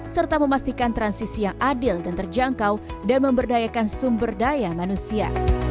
serta memastikan transisi yang adil dan terjangkau dan memberdayakan sumber daya manusia